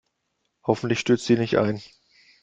Hoffentlich stürzt sie nicht ein.